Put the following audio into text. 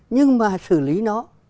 nhưng mà xử lý nó